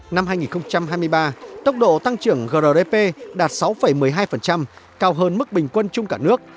năm hai nghìn hai mươi ba tốc độ tăng trưởng grdp đạt sáu một mươi hai cao hơn mức bình quân chung cả nước